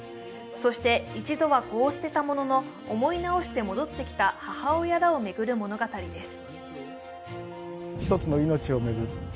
そして一度は子を捨てたものの思い直して戻ってきた母親らを巡る物語です。